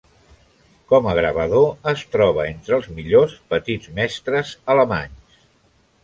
Com a gravador, es troba entre els millors "Petits Mestres" alemanys.